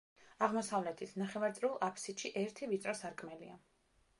აღმოსავლეთით, ნახევარწრიულ აფსიდში ერთი ვიწრო სარკმელია.